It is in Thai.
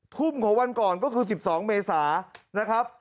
ทุ่มของวันก่อนก็คือ๑๒เมษานะครับ